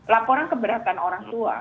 laporan keberatan orang tua